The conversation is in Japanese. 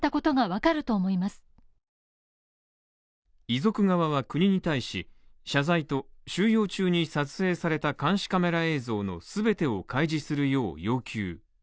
遺族側は国に対し謝罪と、収容中に撮影された監視カメラ映像の全てを開示するよう要求。